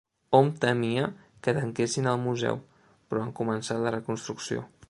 Hom temia que tanquessin el museu, però han començat la reconstrucció.